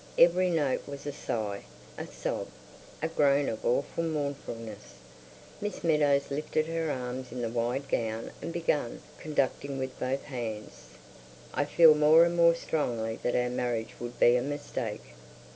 Every note was a sigh, a sob, a groan of awful mournfulness. Miss Meadows lifted her arms in the wide gown and began conducting with both hands. "... I feel more and more strongly that our marriage would be a mistake...."